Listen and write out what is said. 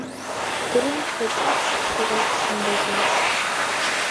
Крымфа ҷаԥшьк сара дсымбаӡацт.